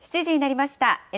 ７時になりました。